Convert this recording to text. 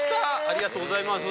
ありがとうございます。